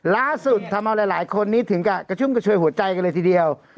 ล่าสุดทำเอาหลายคนนี้ถึงกับกระชุ่มกระชวยหัวใจกันเลยทีเดียว